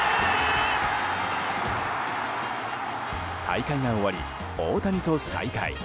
大会が終わり、大谷と再会。